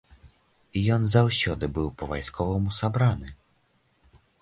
Ён заўсёды быў па-вайсковаму сабраны.